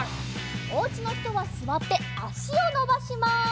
おうちのひとはすわってあしをのばします。